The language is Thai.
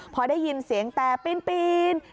พอได้ยินเสียงแต่ปีน